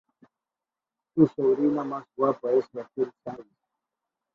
Su sobrina más guapa es Raquel Saiz.